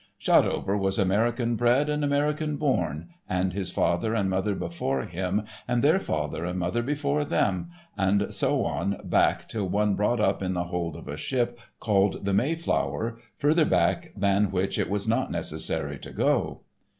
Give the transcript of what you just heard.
Shotover was American bred and American born, and his father and mother before him and their father and mother before them, and so on and back till one brought up in the hold of a ship called the Mayflower, further back than which it is not necessary to go.